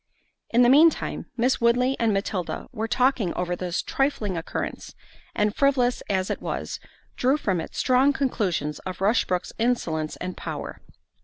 In the mean time, Miss Woodley and Matilda were talking over this trifling occurrence; and frivolous as it was, drew from it strong conclusions of Rushbrook's insolence and power.